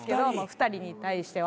２人に対しては。